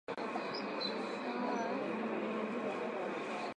Saa inenea ya kwenda ku ofisi tuka uze viwanja